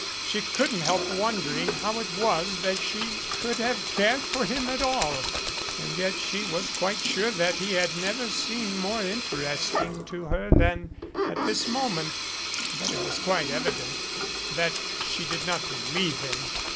She couldn't help wondering how it was that she could have cared for him at all, and yet she was quite sure that he had never seemed more interesting to her than at this moment. But it was quite evident that she did not believe him.